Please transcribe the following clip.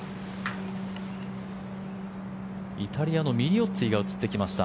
イタリアのミリオッツィが映ってきました。